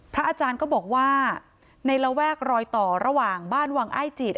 อาจารย์ก็บอกว่าในระแวกรอยต่อระหว่างบ้านวังอ้ายจิต